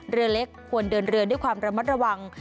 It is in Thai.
เรือเล็กควรเดินเรือด้วยความระมัดระวัง